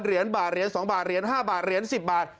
เหรียญบาทเหรียญ๒บาทเหรียญ๕บาทเหรียญ๑๐บาท